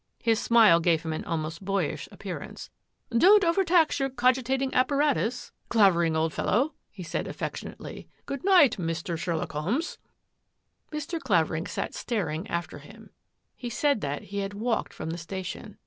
His smile gave him an almost h appearance. " Don't overtax your cogitating app WHERE HAD MELDRUM BEEN? «5 Clavering, old fellow," he said affectionately. " Goodnight — Mr. Sherlock Holmes !'' Mr. Clavering sat staring after him. He said that he had walked from the station.